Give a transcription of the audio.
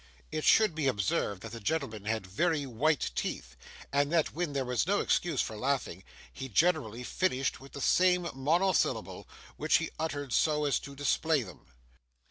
It should be observed that the gentleman had very white teeth, and that when there was no excuse for laughing, he generally finished with the same monosyllable, which he uttered so as to display them.